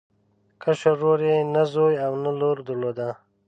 کشر ورور یې نه زوی او نه لور درلوده.